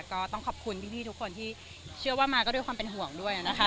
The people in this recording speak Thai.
ก็ต้องขอบคุณพี่ทุกคนที่เชื่อว่ามาก็ด้วยความเป็นห่วงด้วยนะคะ